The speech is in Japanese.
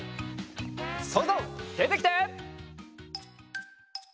そうぞうでてきて！